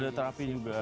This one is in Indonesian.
ada terapi juga